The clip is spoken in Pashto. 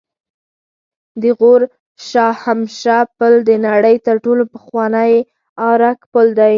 د غور شاهمشه پل د نړۍ تر ټولو پخوانی آرک پل دی